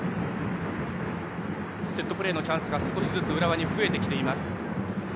セットプレーのチャンスが少しずつ浦和に増えてきています。